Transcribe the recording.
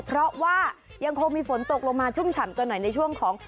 เพราะว่ายังคงมีฝนตกลงมาชุ่มฉ่ำกันหน่อยในช่วงของ